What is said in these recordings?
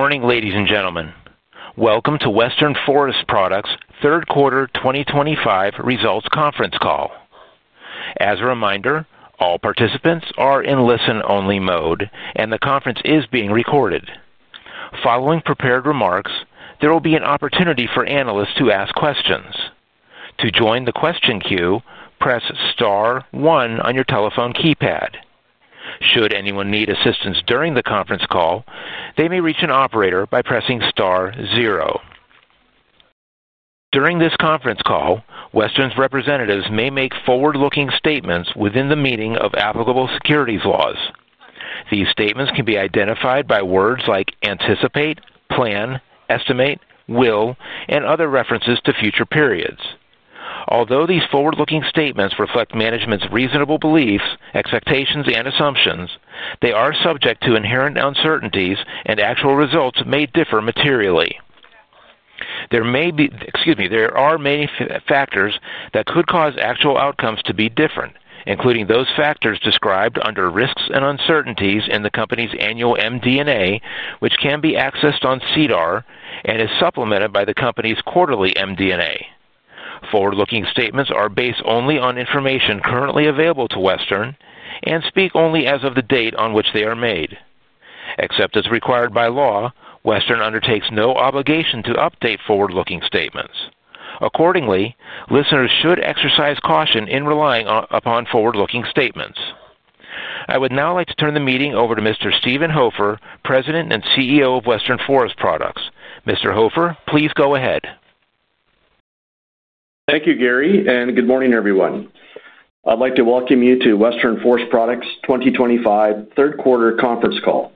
Good morning, ladies and gentlemen. Welcome to Western Forest Products' third quarter 2025 results conference call. As a reminder, all participants are in listen-only mode, and the conference is being recorded. Following prepared remarks, there will be an opportunity for analysts to ask questions. To join the question queue, press star one on your telephone keypad. Should anyone need assistance during the conference call, they may reach an operator by pressing star zero. During this conference call, Western's representatives may make forward-looking statements within the meaning of applicable securities laws. These statements can be identified by words like anticipate, plan, estimate, will, and other references to future periods. Although these forward-looking statements reflect management's reasonable beliefs, expectations, and assumptions, they are subject to inherent uncertainties, and actual results may differ materially. There may be—excuse me—there are many factors that could cause actual outcomes to be different, including those factors described under risks and uncertainties in the company's annual MD&A, which can be accessed on SEDAR and is supplemented by the company's quarterly MD&A. Forward-looking statements are based only on information currently available to Western and speak only as of the date on which they are made. Except as required by law, Western undertakes no obligation to update forward-looking statements. Accordingly, listeners should exercise caution in relying upon forward-looking statements. I would now like to turn the meeting over to Mr. Stephen Hofer, President and CEO of Western Forest Products. Mr. Hofer, please go ahead. Thank you, Gary, and good morning, everyone. I'd like to welcome you to Western Forest Products' 2025 third quarter conference call.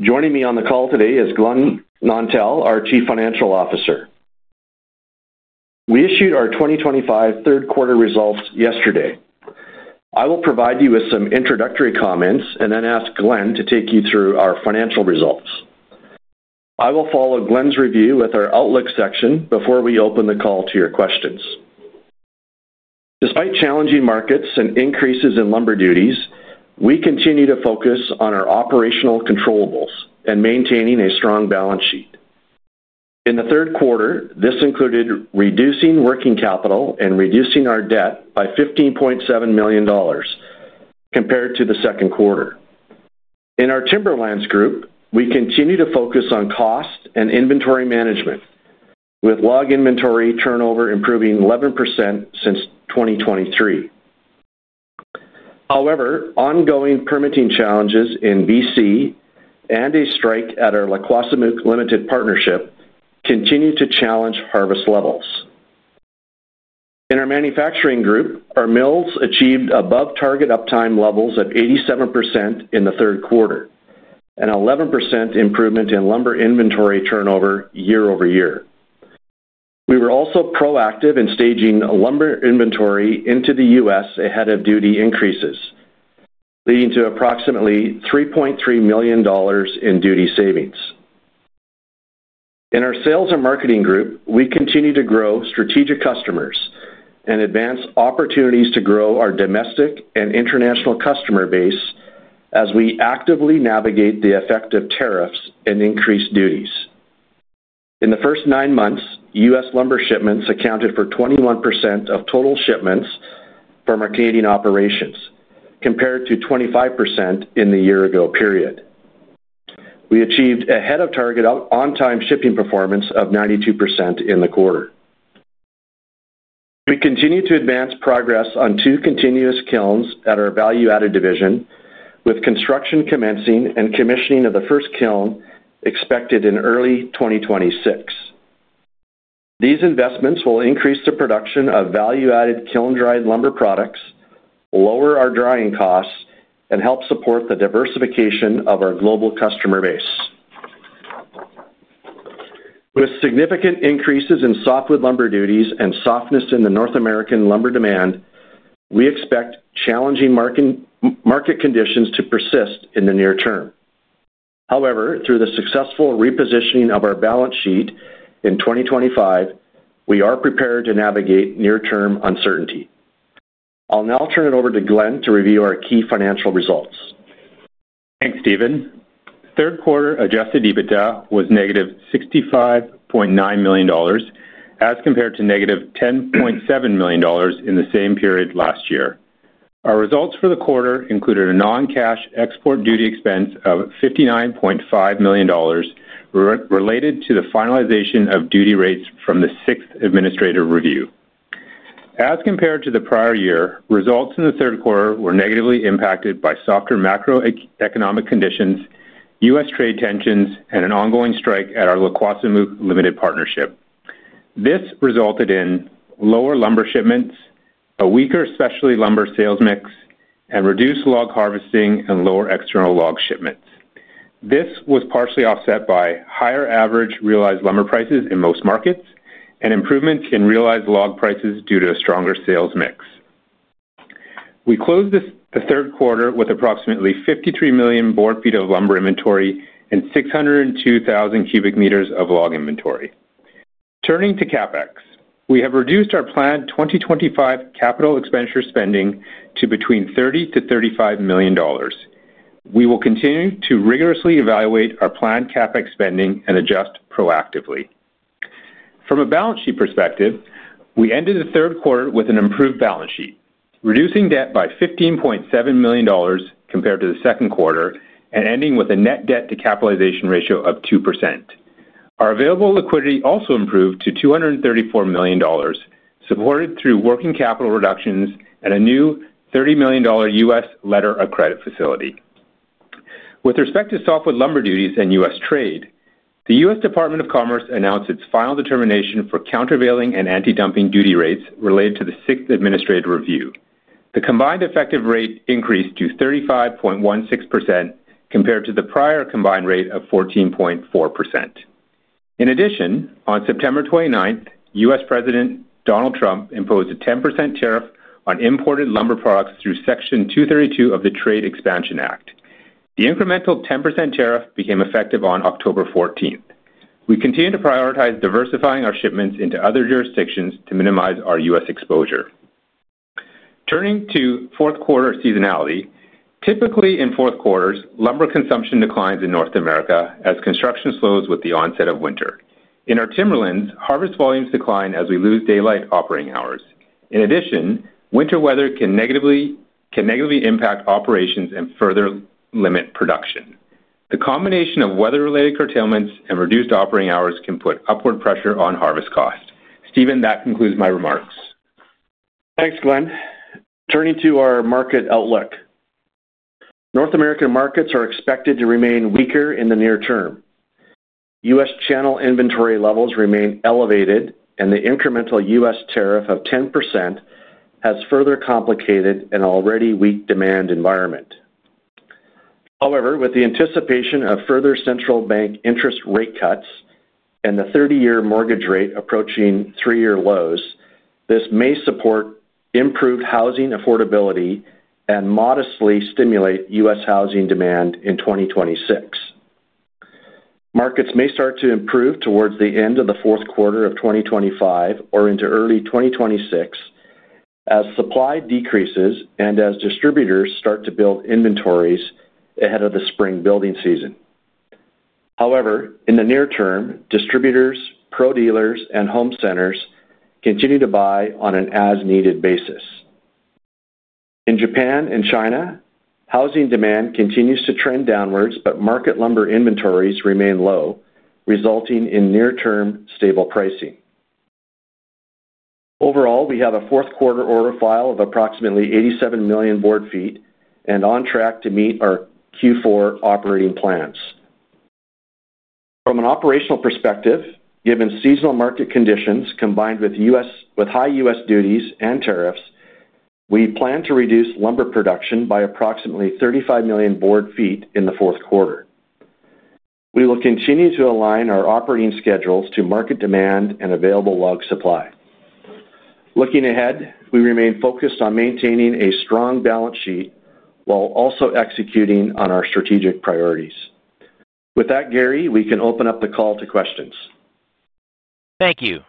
Joining me on the call today is Glen Nontell, our Chief Financial Officer. We issued our 2025 third quarter results yesterday. I will provide you with some introductory comments and then ask Glen to take you through our financial results. I will follow Glen's review with our Outlook section before we open the call to your questions. Despite challenging markets and increases in lumber duties, we continue to focus on our operational controllables, and maintaining a strong balance sheet. In the third quarter, this included reducing working capital and reducing our debt by $15.7 million compared to the second quarter. In our timberlands group, we continue to focus on cost and inventory management, with log inventory turnover improving 11% since 2023. However, ongoing permitting challenges in British Columbia and a strike at our La Quesamuc Limited Partnership continue to challenge harvest levels. In our manufacturing group, our mills achieved above target uptime levels of 87% in the third quarter, an 11% improvement in lumber inventory turnover year-over-year. We were also proactive in staging lumber inventory into the U.S. ahead of duty increases, leading to approximately $3.3 million in duty savings. In our sales and marketing group, we continue to grow strategic customers and advance opportunities to grow our domestic and international customer base as we actively navigate the effect of tariffs and increased duties. In the first nine months, U.S. lumber shipments accounted for 21% of total shipments from our Canadian operations, compared to 25% in the year-ago period. We achieved ahead-of-target on-time shipping performance of 92% in the quarter. We continue to advance progress on two continuous kilns at our value-added division, with construction commencing and commissioning of the first kiln expected in early 2026. These investments will increase the production of value-added kiln-dried lumber products, lower our drying costs, and help support the diversification of our global customer base. With significant increases in softwood lumber duties and softness in the North American lumber demand, we expect challenging market conditions to persist in the near term. However, through the successful repositioning of our balance sheet in 2025, we are prepared to navigate near-term uncertainty. I'll now turn it over to Glen to review our key financial results. Thanks, Stephen. Third quarter adjusted EBITDA was negative $65.9 million, as compared to negative $10.7 million in the same period last year. Our results for the quarter included a non-cash export duty expense of $59.5 million, related to the finalization of duty rates from the sixth administrative review. As compared to the prior year, results in the third quarter were negatively impacted by softer macroeconomic conditions, U.S. trade tensions, and an ongoing strike at our La Quesamuc Limited Partnership. This resulted in lower lumber shipments, a weaker specialty lumber sales mix, and reduced log harvesting and lower external log shipments. This was partially offset by higher average realized lumber prices in most markets and improvements in realized log prices due to a stronger sales mix. We closed the third quarter with approximately 53 million board feet of lumber inventory and 602,000 cubic meters of log inventory. Turning to CapEx, we have reduced our planned 2025 capital expenditure spending to between $30-$35 million. We will continue to rigorously evaluate our planned CapEx spending and adjust proactively. From a balance sheet perspective, we ended the third quarter with an improved balance sheet, reducing debt by $15.7 million compared to the second quarter and ending with a net debt-to-capitalization ratio of 2%. Our available liquidity also improved to $234 million, supported through working capital reductions and a new $30 million US letter of credit facility. With respect to softwood lumber duties and US trade, the US Department of Commerce announced its final determination for countervailing and anti-dumping duty rates related to the sixth administrative review. The combined effective rate increased to 35.16% compared to the prior combined rate of 14.4%. In addition, on September 29th, U.S. President Donald Trump imposed a 10% tariff on imported lumber products through Section 232 of the Trade Expansion Act. The incremental 10% tariff became effective on October 14th. We continue to prioritize diversifying our shipments into other jurisdictions to minimize our U.S. exposure. Turning to fourth quarter seasonality, typically in fourth quarters, lumber consumption declines in North America as construction slows with the onset of winter. In our timberlands, harvest volumes decline as we lose daylight operating hours. In addition, winter weather can negatively impact operations and further limit production. The combination of weather-related curtailments and reduced operating hours can put upward pressure on harvest costs. Stephen, that concludes my remarks. Thanks, Glen. Turning to our market outlook. North American markets are expected to remain weaker in the near term. U.S. channel inventory levels remain elevated, and the incremental U.S. tariff of 10% has further complicated an already weak demand environment. However, with the anticipation of further central bank interest rate cuts and the 30-year mortgage rate approaching three-year lows, this may support improved housing affordability and modestly stimulate U.S. housing demand in 2026. Markets may start to improve towards the end of the fourth quarter of 2025 or into early 2026 as supply decreases and as distributors start to build inventories ahead of the spring building season. However, in the near term, distributors, pro-dealers, and home centers continue to buy on an as-needed basis. In Japan and China, housing demand continues to trend downwards, but market lumber inventories remain low, resulting in near-term stable pricing. Overall, we have a fourth quarter order file of approximately 87 million board feet and on track to meet our Q4 operating plans. From an operational perspective, given seasonal market conditions combined with high U.S. duties and tariffs, we plan to reduce lumber production by approximately 35 million board feet in the fourth quarter. We will continue to align our operating schedules to market demand and available log supply. Looking ahead, we remain focused on maintaining a strong balance sheet while also executing on our strategic priorities. With that, Gary, we can open up the call to questions. Thank you.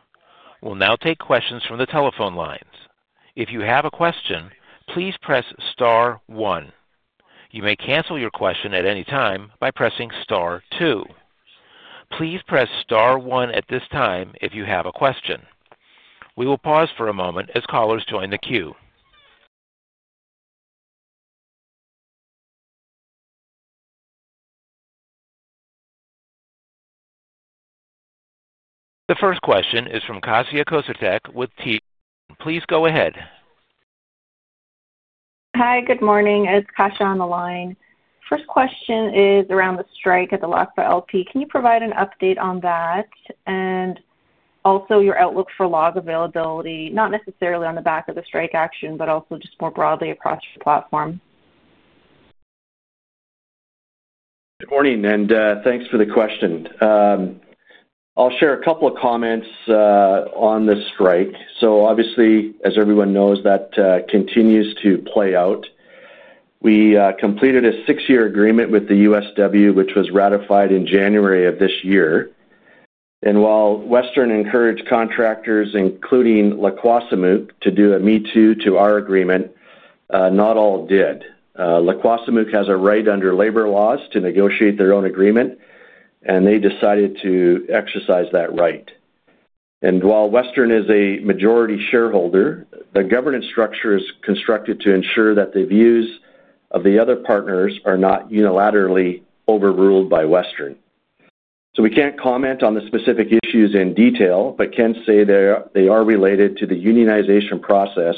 We'll now take questions from the telephone lines. If you have a question, please press star one. You may cancel your question at any time by pressing star two. Please press star one at this time if you have a question. We will pause for a moment as callers join the queue. The first question is from Kasia Kosatek with Teal. Please go ahead. Hi, good morning. It's Kasia on the line. First question is around the strike at the La Quesamuc Limited Partnership. Can you provide an update on that? Also, your outlook for log availability, not necessarily on the back of the strike action, but also just more broadly across your platform? Good morning, and thanks for the question. I'll share a couple of comments. On the strike. Obviously, as everyone knows, that continues to play out. We completed a six-year agreement with the USW, which was ratified in January of this year. While Western encouraged contractors, including La Quesamuc, to do a me-too to our agreement, not all did. La Quesamuc has a right under labor laws to negotiate their own agreement, and they decided to exercise that right. While Western is a majority shareholder, the governance structure is constructed to ensure that the views of the other partners are not unilaterally overruled by Western. We can't comment on the specific issues in detail, but can say they are related to the unionization process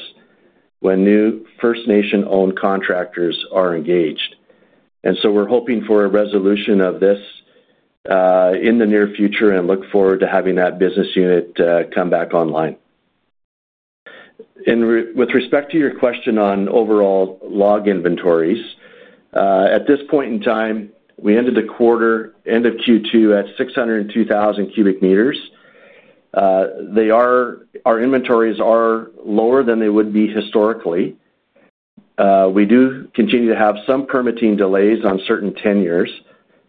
when new First Nation-owned contractors are engaged. We're hoping for a resolution of this. In the near future and look forward to having that business unit come back online. With respect to your question on overall log inventories, at this point in time, we ended the quarter end of Q2 at 602,000 cubic meters. Our inventories are lower than they would be historically. We do continue to have some permitting delays on certain tenures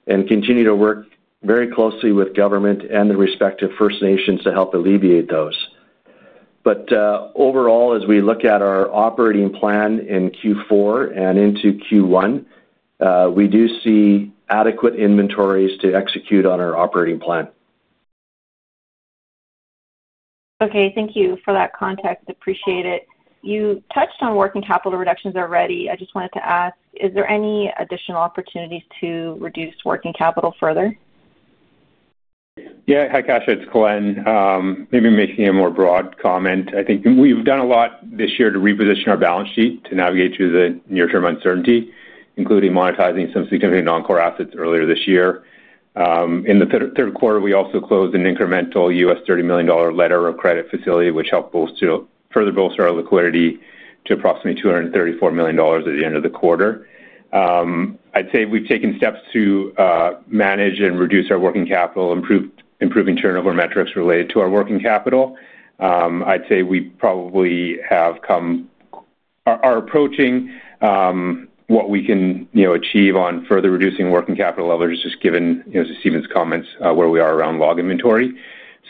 and continue to work very closely with government and the respective First Nations to help alleviate those. Overall, as we look at our operating plan in Q4 and into Q1, we do see adequate inventories to execute on our operating plan. Okay, thank you for that context. Appreciate it. You touched on working capital reductions already. I just wanted to ask, is there any additional opportunities to reduce working capital further? Yeah, hi Kasia. It's Glen. Maybe making a more broad comment. I think we've done a lot this year to reposition our balance sheet to navigate through the near-term uncertainty, including monetizing some significant non-core assets earlier this year. In the third quarter, we also closed an incremental $30 million letter of credit facility, which helped further bolster our liquidity to approximately $234 million at the end of the quarter. I'd say we've taken steps to manage and reduce our working capital, improving turnover metrics related to our working capital. I'd say we probably have come, are approaching what we can achieve on further reducing working capital levers, just given Stephen's comments where we are around log inventory.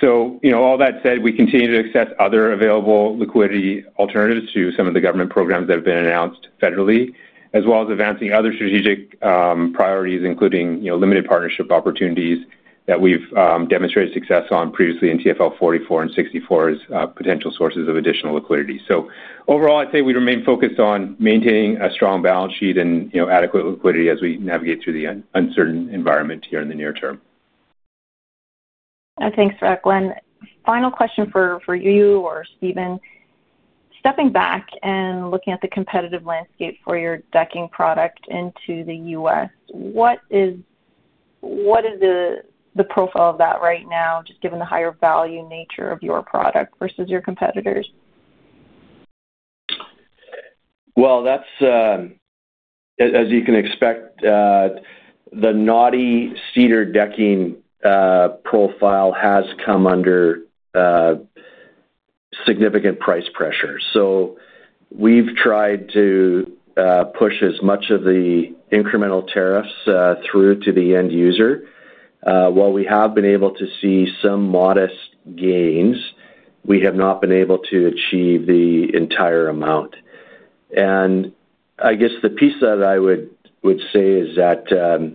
All that said, we continue to access other available liquidity alternatives to some of the government programs that have been announced federally, as well as advancing other strategic priorities, including limited partnership opportunities that we've demonstrated success on previously in TFL 44 and 64 as potential sources of additional liquidity. Overall, I'd say we remain focused on maintaining a strong balance sheet and adequate liquidity as we navigate through the uncertain environment here in the near term. Thanks for that, Glen. Final question for you or Stephen. Stepping back and looking at the competitive landscape for your decking product into the U.S., what is the profile of that right now, just given the higher value nature of your product versus your competitors? As you can expect, the naughty cedar decking profile has come under significant price pressure. We have tried to push as much of the incremental tariffs through to the end user. While we have been able to see some modest gains, we have not been able to achieve the entire amount. I guess the piece that I would say is that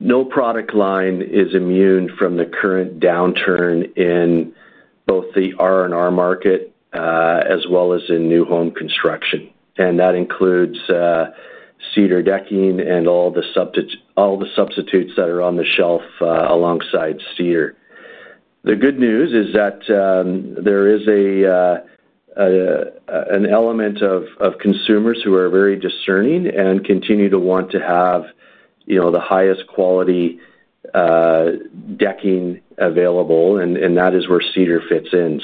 no product line is immune from the current downturn in both the R&R market as well as in new home construction. That includes cedar decking and all the substitutes that are on the shelf alongside cedar. The good news is that there is an element of consumers who are very discerning and continue to want to have the highest quality decking available, and that is where cedar fits in.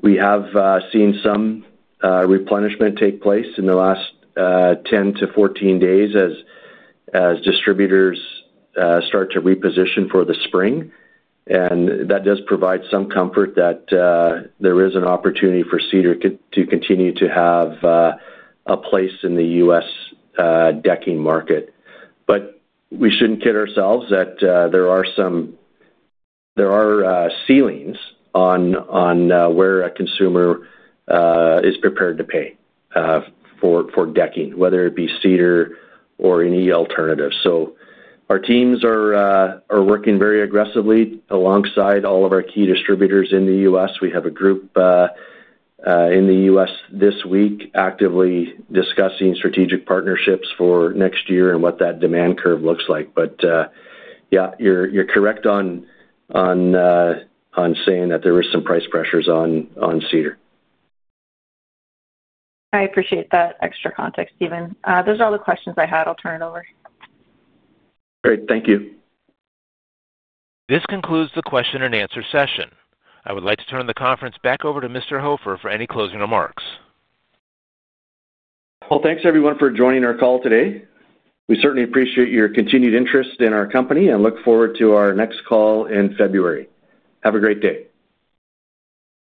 We have seen some replenishment take place in the last 10-14 days as. Distributors start to reposition for the spring. That does provide some comfort that there is an opportunity for cedar to continue to have a place in the U.S. decking market. We should not kid ourselves that there are some ceilings on where a consumer is prepared to pay for decking, whether it be cedar or any alternative. Our teams are working very aggressively alongside all of our key distributors in the U.S. We have a group in the U.S. this week actively discussing strategic partnerships for next year and what that demand curve looks like. Yeah, you are correct on saying that there were some price pressures on cedar. I appreciate that extra context, Stephen. Those are all the questions I had. I'll turn it over. Great. Thank you. This concludes the question and answer session. I would like to turn the conference back over to Mr. Hofer for any closing remarks. Thanks everyone for joining our call today. We certainly appreciate your continued interest in our company and look forward to our next call in February. Have a great day.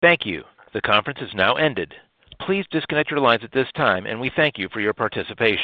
Thank you. The conference is now ended. Please disconnect your lines at this time, and we thank you for your participation.